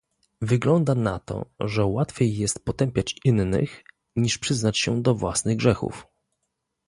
Wygląda na to, że łatwiej jest potępiać innych, niż przyznać się do własnych grzechów